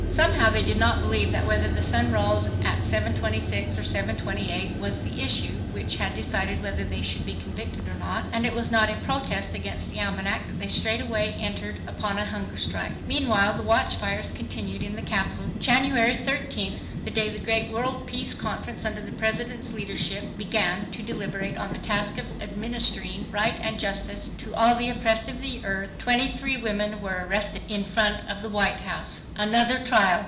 Somehow they did not believe that whether the sun rose at 7:26 or 7:28 was the issue which had decided whether they should be convicted or not, and it was not in protest against the almanac that they straightway entered upon a hunger strike. Meanwhile the watchfires continued in the capital. January thirteenth, the day the great world Peace Conference under the President's leadership, began to deliberate on the task of administering "right" and "justice" to all the oppressed of the earth, twenty three women were arrested in front of the White House. Another trial!